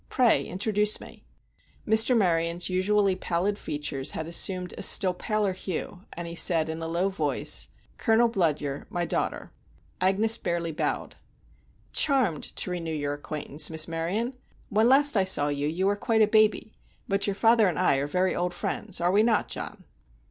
Pray introduce me." Mr. Maryon's usually pallid features had assumed a still paler hue, and he said in a low voice: "Colonel Bludyer—my daughter." Agnes barely bowed. "Charmed to renew your acquaintance, Miss Maryon. When last I saw you, you were quite a baby; but your father and I are very old friends—are we not, John?"